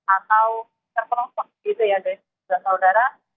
atau terpenuh sempit gitu ya dari saudara